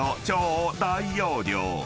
［超大容量］